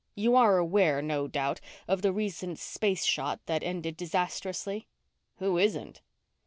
You are aware, no doubt, of the recent space shot that ended disastrously?" "Who isn't?"